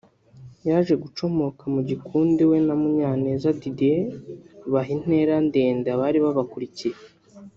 yaje gucomoka mu gikundi we na Munyaneza Didier baha intera ndende abari babakurikiye